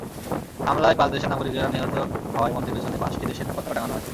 হামলায় পাঁচ দেশের নাগরিকেরা নিহত হওয়ায় মঞ্চের পেছনে পাঁচটি দেশের পতাকা টাঙানো হয়।